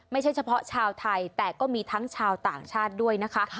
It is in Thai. ไม่ใช่เฉพาะชาวไทยแต่ก็มีทั้งชาวต่างชาติด้วยนะคะ